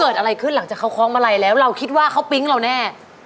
เกิดอะไรขึ้นหลังจากเขาค้องมาไรแล้วเราคิดว่าเขาปิ๊งเราแน่